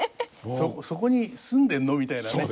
「そこに住んでるの？」みたいなね。